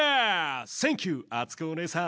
センキューあつこおねえさん。